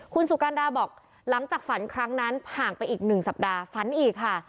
คุณสุการดาบอกหลังจากฝันครั้งนั้นห่างไปอีก๑สัปดาห์ฝันอีกค่ะ